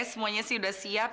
semuanya sih udah siap